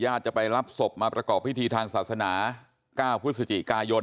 จะไปรับศพมาประกอบพิธีทางศาสนา๙พฤศจิกายน